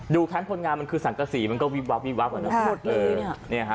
ดูแคมป์คนงานมันคือสังกษีมันก็วิบวับ